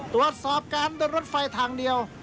ตรวจสอบการเดินรถไฟทางเดียว